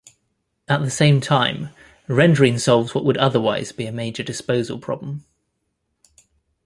At the same time, rendering solves what would otherwise be a major disposal problem.